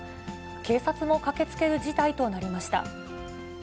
警察も駆けつける事態となりました。